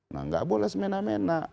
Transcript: nah nggak boleh semena mena